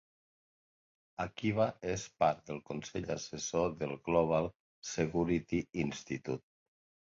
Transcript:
Akiba és part del consell assessor del "Global Security Institute".